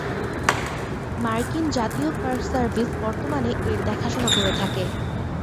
মার্কিন জাতীয় park service বর্তমানে এর দেখা শোনা করে থাকে।